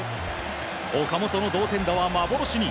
岡本の同点打は幻に。